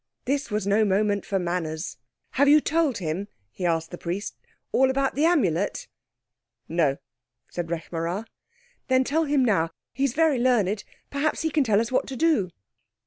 This was no moment for manners. "Have you told him," he asked the Priest, "all about the Amulet?" "No," said Rekh marā. "Then tell him now. He is very learned. Perhaps he can tell us what to do."